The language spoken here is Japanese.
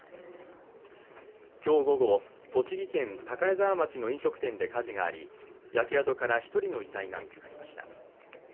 今日午後、栃木県高根沢町の飲食店で火事があり焼け跡から１人の遺体が見つかりました。